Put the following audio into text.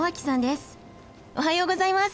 おはようございます！